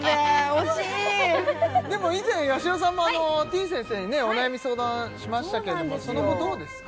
惜しいでも以前やしろさんもてぃ先生にねお悩み相談しましたけどもその後どうですか？